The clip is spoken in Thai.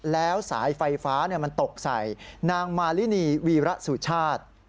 แล้วสายไฟฟ้ามันตกใส่นางมารินีวีระสุชาติ